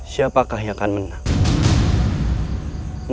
siapakah yang akan menang